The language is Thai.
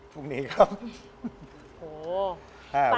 พรุ่งนี้ครับ